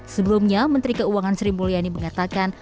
sebelumnya menteri keuangan sri mulyani mengatakan